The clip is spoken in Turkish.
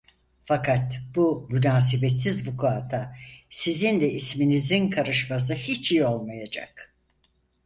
Fakat bu münasebetsiz vukuata sizin de isminizin karışması hiç iyi olmayacak…